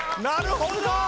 なるほど！